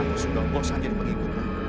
aku sudah bosan jadi pengikutmu